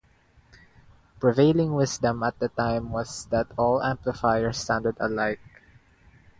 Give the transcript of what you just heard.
Prevailing wisdom at the time was that all amplifiers sounded alike.